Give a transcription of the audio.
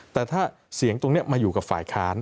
แต่ถ้าเสียงตรงนี้มาอยู่กับฝ่ายค้าน